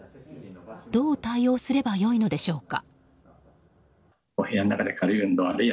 どう対応すればよいのでしょうか。